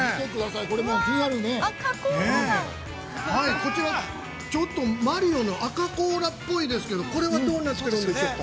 こちら、ちょっと、マリオのアカこうらっぽいですけれども、これはどうなってるんでしょうか。